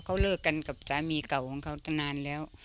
เขาเลิกกันกับสามีเก่าของเขาตั้งนานแล้ว